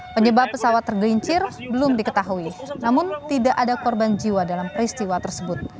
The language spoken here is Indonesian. penyebab pesawat tergelincir belum diketahui namun tidak ada korban jiwa dalam peristiwa tersebut